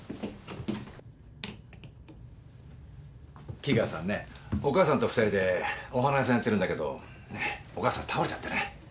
黄川さんねお母さんと２人でお花屋さんやってるんだけどねぇお母さん倒れちゃってね。